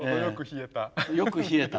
程よく冷えた。